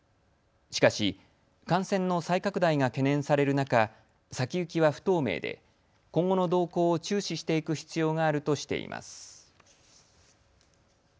しかし、感染の再拡大が懸念される中、先行きは不透明で今後の動向を注視していく必要があるとしています。